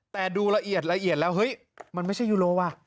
แต่ดูละเอียดละเอียดแล้วเฮ้ยมันไม่ใช่ยูโรว่ะ